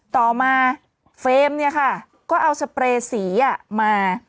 ต่อมาเฟรมเนี่ยค่ะก็เอาสเปรย์สีมา